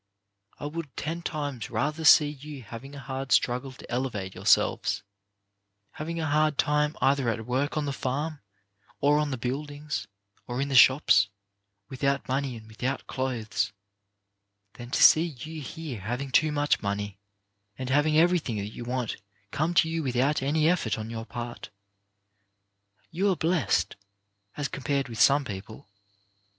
I would ten times rather see you having a hard struggle to elevate yourselves, having a hard time either at work on the farm, or on the buildings, or in the shops, without money and without clothes, than to see you here having too much money, and having everything that you DON'T BE DISCOURAGED 55 want come to you without any effort on your part. You are blessed, as compared with some people.